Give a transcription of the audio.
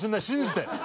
信じて。